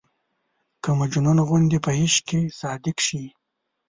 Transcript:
که مجنون غوندې په عشق کې صادق شي.